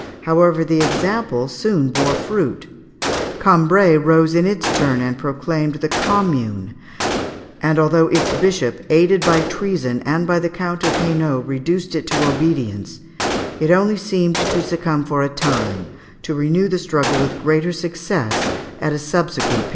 However, the example soon bore fruit. Cambrai rose in its turn and proclaimed the "Commune," and although its bishop, aided by treason and by the Count of Hainault, reduced it to obedience, it only seemed to succumb for a time, to renew the struggle with greater success at a subsequent period.